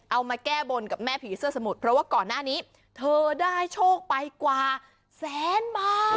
เอามาแก้บนกับแม่ผีเสื้อสมุทรเพราะว่าก่อนหน้านี้เธอได้โชคไปกว่าแสนบาท